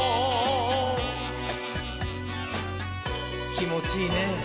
きもちいいねぇ。